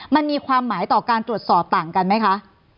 มันมีความหมายต่อการตรวจสอบต่างกันไหมคะ